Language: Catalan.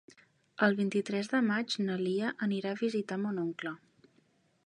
El vint-i-tres de maig na Lia anirà a visitar mon oncle.